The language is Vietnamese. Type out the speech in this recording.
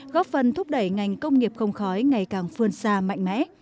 góp phần thúc đẩy ngành công nghiệp không khói ngày càng phương xa mạnh mẽ